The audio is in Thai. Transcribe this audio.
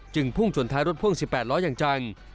พุ่งชนท้ายรถพ่วง๑๘ล้ออย่างจัง